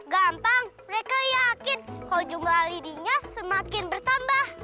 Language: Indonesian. gampang mereka yakin kalau jumlah leadingnya semakin bertambah